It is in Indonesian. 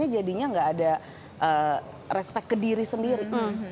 jadinya nggak ada respect ke diri sendiri